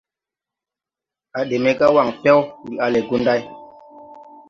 A de me ga wangfew, ndi ale Gunday.